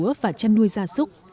trồng lúa và chăn nuôi gia súc